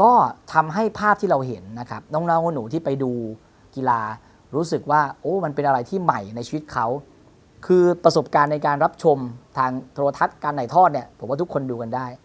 ก็ทำให้ภาพที่เราเห็นนะครับน้องหนูที่ไปดูกีฬารู้สึกว่าโอ้มันเป็นอะไรที่ใหม่ในชีวิตเขาคือประสบการณ์ในการรับชมทางโทรทัศน์การถ่ายทอดเนี่ยผมว่าทุกคนดูกันได้